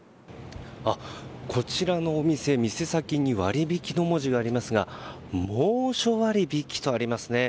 こちらのお店店先に割引の文字がありますが猛暑割引とありますね。